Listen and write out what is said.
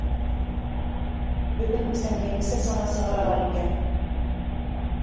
Бөгөн бесәнгә нисә сана сығаралар икән?